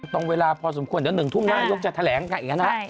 ต้องเวลาพอสมควรเดี๋ยวหนึ่งทุ่มนายกจะแถลงกันอีกแล้วนะครับ